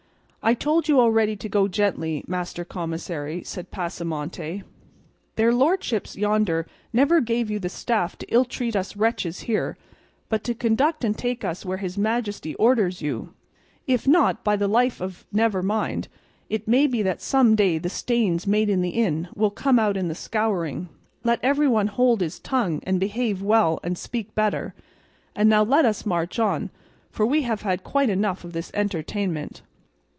"I told you already to go gently, master commissary," said Pasamonte; "their lordships yonder never gave you that staff to ill treat us wretches here, but to conduct and take us where his majesty orders you; if not, by the life of—never mind—; it may be that some day the stains made in the inn will come out in the scouring; let everyone hold his tongue and behave well and speak better; and now let us march on, for we have had quite enough of this entertainment."